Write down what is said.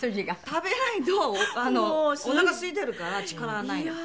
食べないとおなかすいているから力がないよ。